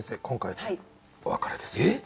今回でお別れです。